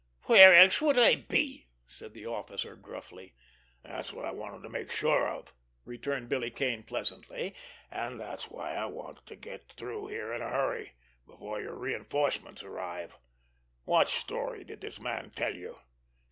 "Where else would I be?" said the officer gruffly. "That's what I wanted to make sure of," returned Billy Kane pleasantly. "And that's why I want to get through here in a hurry—before your reinforcements arrive. What story did this man tell you?"